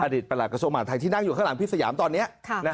ประหลักกระทรวงมหาดไทยที่นั่งอยู่ข้างหลังพี่สยามตอนนี้